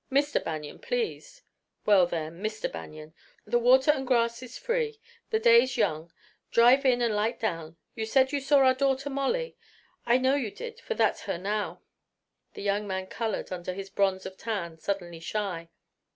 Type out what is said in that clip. "Mister Banion, please." "Well then, Mister Banion. The water and grass is free. The day's young. Drive in and light down. You said you saw our daughter, Molly I know you did, for that's her now." The young man colored under his bronze of tan, suddenly shy.